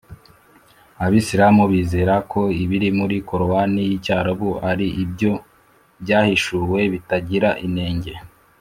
abisilamu bizera ko ibiri muri korowani y’icyarabu ari byo byahishuwe bitagira inenge